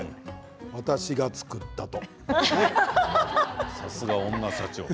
私が作ったと？